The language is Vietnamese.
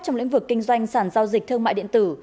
trong lĩnh vực kinh doanh sản giao dịch thương mại điện tử